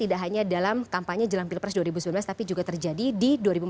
tidak hanya dalam kampanye jelang pilpres dua ribu sembilan belas tapi juga terjadi di dua ribu empat belas